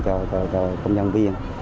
cho công nhân viên